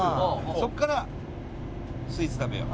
そこからスイーツ食べよう。